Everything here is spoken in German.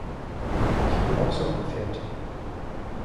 Ich will auch so ein Pferd.